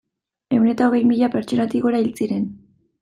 Ehun eta hogei mila pertsonatik gora hil ziren.